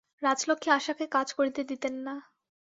রাজলক্ষ্মী আশাকে কাজ করিতে দিতেন না।